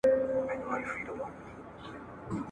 خو زما په عقیده !.